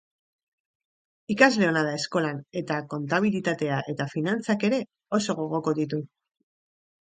Ikasle ona da eskolan eta kontabilitatea eta finanatzak ere oso gogoko ditu.